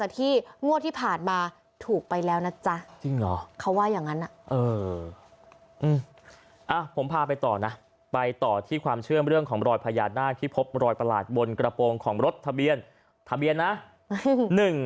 ที่พบรอยประหลาดบนกระโปรงของรถทะเบียนทะเบียนนะหนึ่ง